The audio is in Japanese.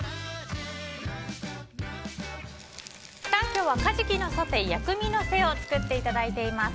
今日はカジキのソテー薬味のせを作っていただいています。